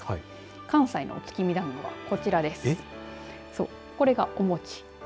関西のお月見団子はこちらです。